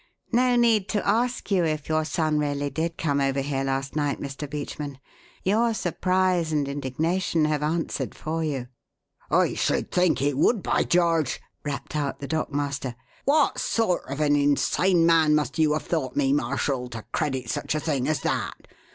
No need to ask you if your son really did come over here last night, Mr. Beachman; your surprise and indignation have answered for you." "I should think it would, by George!" rapped out the dock master. "What sort of an insane man must you have thought me, Marshall, to credit such a thing as that?